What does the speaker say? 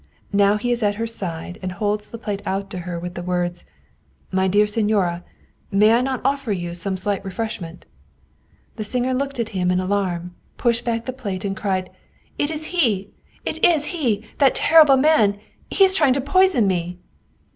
Now he is at her side and holds the plate out to her with the words, " My dear signora, may I not offer you some slight re freshment? " The singer looked at him in alarm, pushed back the plate, and cried: "It is he, it is he! That terrible man! He is trying to poison me